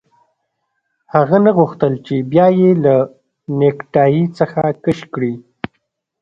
هغه نه غوښتل چې بیا یې له نیکټايي څخه کش کړي